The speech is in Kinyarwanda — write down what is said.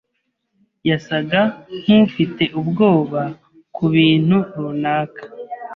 yasaga nkufite ubwoba kubintu runaka.